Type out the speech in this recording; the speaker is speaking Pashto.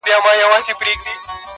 ټگان تللي وه د وخته پر آسونو!!